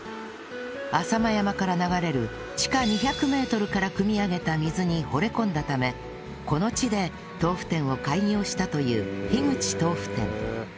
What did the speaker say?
浅間山から流れる地下２００メートルからくみ上げた水に惚れ込んだためこの地で豆腐店を開業したという樋口豆富店